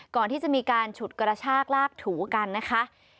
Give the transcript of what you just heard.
ก่อนที่จะมีการฉุดกระชากลากถูกันนะคะ